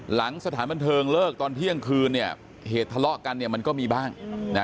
หลังสถานบันเทิงเลิกตอนเที่ยงคืนเนี่ยเหตุทะเลาะกันเนี่ยมันก็มีบ้างนะ